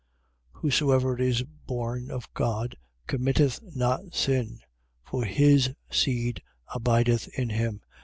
3:9. Whosoever is born of God committeth not sin: for his seed abideth in him.